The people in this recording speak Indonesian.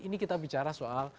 ini kita bicara soal